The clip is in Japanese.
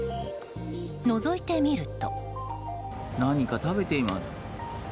のぞいてみると。